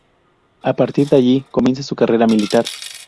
A partir de allí comienza su carrera militar.